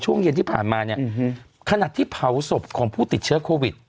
ช่วงเย็นที่ผ่านมาเนี่ยขณะที่เผาศพของผู้ติดเชื้อโควิด